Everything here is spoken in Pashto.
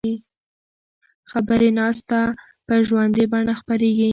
خبري ناسته په ژوندۍ بڼه خپریږي.